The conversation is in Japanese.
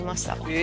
え！